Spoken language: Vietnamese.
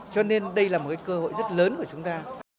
cho nên đây là một cơ hội rất lớn của chúng ta